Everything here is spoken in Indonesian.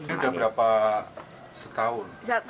ini udah berapa setahun